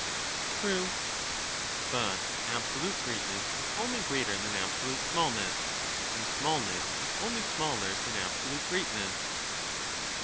True. But absolute greatness is only greater than absolute smallness, and smallness is only smaller than absolute greatness.